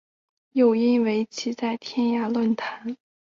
又因为其在天涯论坛诽谤范冰冰等明星被网友唾弃。